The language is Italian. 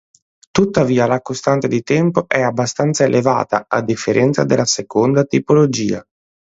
Tuttavia la costante di tempo è abbastanza elevata, a differenza della seconda tipologia.